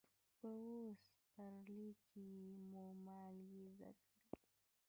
په اووم څپرکي کې مو مالګې زده کړې.